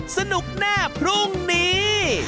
สนุกแน่พรุ่งนี้